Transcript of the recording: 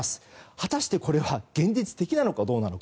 果たしてこれは現実的なのかどうなのか。